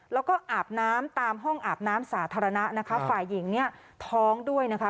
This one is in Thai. แล้วก็อาบน้ำตามห้องอาบน้ำสาธารณะนะคะฝ่ายหญิงเนี่ยท้องด้วยนะคะ